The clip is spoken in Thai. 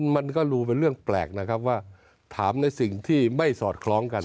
มันก็รู้เป็นเรื่องแปลกนะครับว่าถามในสิ่งที่ไม่สอดคล้องกัน